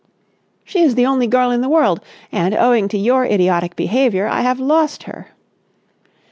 "She is the only girl in the world, and, owing to your idiotic behaviour, I have lost her."